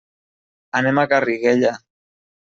Anem a Garriguella.